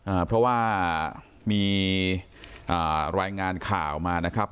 อ่าเพราะว่ามีอ่ารายงานข่าวมานะครับ